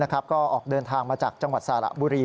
ก็ออกเดินทางมาจากจังหวัดสระบุรี